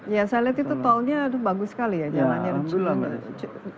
ya saya lihat itu tolnya bagus sekali ya jalannya